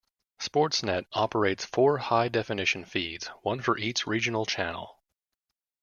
Sportsnet operates four high-definition feeds, one for each regional channel.